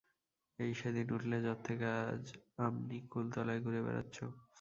এই সেদিন উঠলে জ্বর থেকে আজ আমনি কুলতলায় ঘুরে বেড়াচ্চ!